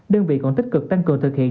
đơn vị còn tích cực tăng cường thực hiện